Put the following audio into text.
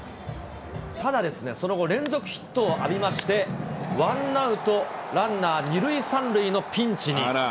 ただですね、その後、連続ヒットを浴びまして、ワンアウトランナー２塁３塁のピンチに。